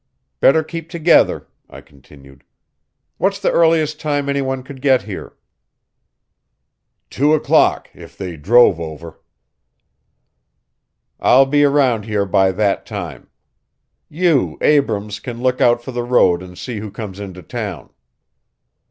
"Better keep together," I continued. "What's the earliest time any one could get here?" "Two o'clock if they drove over." "I'll be around here by that time. You, Abrams, can look out for the road and see who comes into town."